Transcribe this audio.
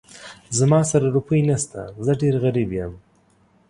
زما سره روپۍ نه شته، زه ډېر غريب يم.